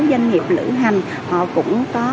doanh nghiệp lữ hành họ cũng có